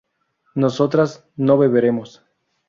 nosotras no beberemos